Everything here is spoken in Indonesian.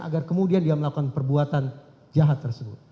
agar kemudian dia melakukan perbuatan jahat tersebut